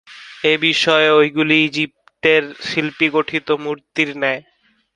এ বিষয়ে ঐগুলি ইজিপ্তের শিল্পিগঠিত মূর্তির ন্যায়।